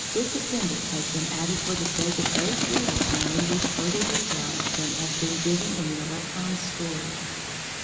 this appendix has been added for the sake of those readers who may wish further details than have been given in the electron's story.